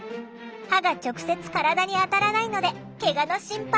刃が直接体に当たらないのでケガの心配なし！